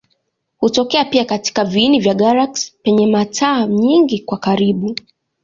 Hutokea pia katika viini vya galaksi penye mata nyingi kwa karibu.